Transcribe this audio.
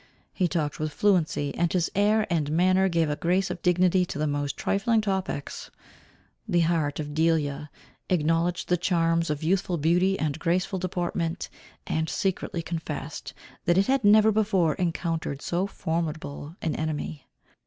He talked with fluency, and his air and manner gave a grace and dignity to the most trifling topics. The heart of Delia, acknowledged the charms of youthful beauty and graceful deportment, and secretly confessed that it had never before encountered so formidable an enemy.